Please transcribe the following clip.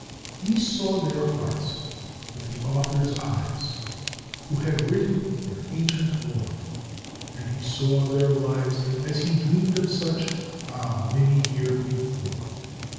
He saw their hearts with the author's eyes who had written their ancient lore, And he saw their lives as he'd dreamed of such ah! many a year before.